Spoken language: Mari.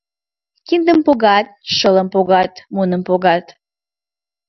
Киндым погат, шылым погат, муным погат...